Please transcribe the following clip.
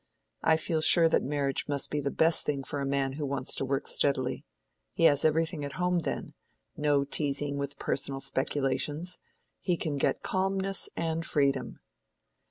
I feel sure that marriage must be the best thing for a man who wants to work steadily. He has everything at home then—no teasing with personal speculations—he can get calmness and freedom."